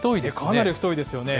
かなり太いですよね。